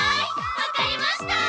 わかりました！